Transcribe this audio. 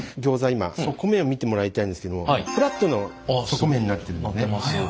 今底面を見てもらいたいんですけどもフラットな底面になってるんですよね。